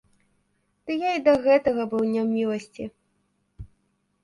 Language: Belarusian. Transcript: Ды я і да гэтага быў у няміласці.